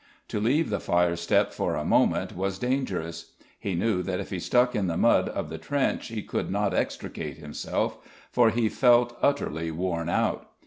To leave the firestep for a moment was dangerous. He knew that if he stuck in the mud of the trench he could not extricate himself, for he felt utterly worn out.